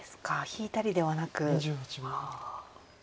引いたりではなく。